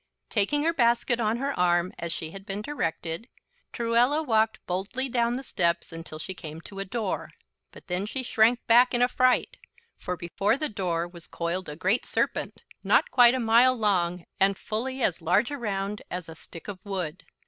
Taking her basket on her arm, as she had been directed, Truella walked boldly down the steps until she came to a door. But then she shrank back in affright, for before the door was coiled a great serpent, not quite a mile long and fully as large around as a stick of wood.